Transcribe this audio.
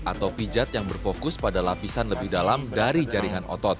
atau pijat yang berfokus pada lapisan lebih dalam dari jaringan otot